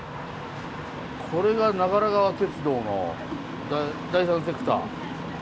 これが長良川鉄道の第三セクターの車両ですね。